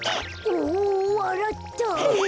おおわらった！